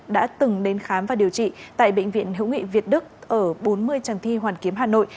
đã từng đến khám và điều trị tại bệnh viện hữu nghị việt đức ở bốn mươi trần thi hoàn kiếm hà nội